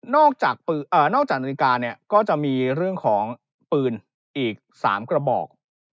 นอกจากนาฬิกาเนี่ยก็จะมีเรื่องของปืนอีก๓กระบอก